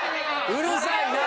うるさいな！